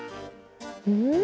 うん？